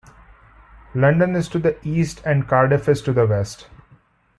London is to the east, and Cardiff is to the west.